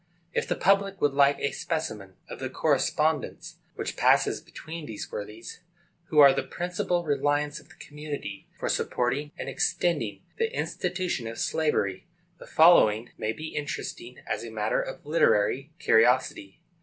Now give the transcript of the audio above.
If the public would like a specimen of the correspondence which passes between these worthies, who are the principal reliance of the community for supporting and extending the institution of slavery, the following may be interesting as a matter of literary curiosity.